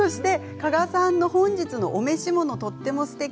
加賀さんの本日のお召し物とてもすてき。